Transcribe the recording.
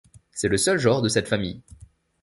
C'est le seul genre de cette famille.